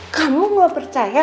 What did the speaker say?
kamu gak percaya